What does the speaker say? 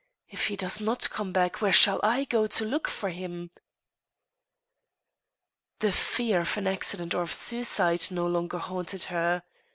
If he does not come back, where shall I go to look for him ?" The fear of an accident or of suicide no longer haunted her.